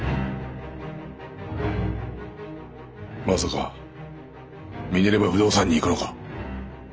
まさかミネルヴァ不動産に行くのか？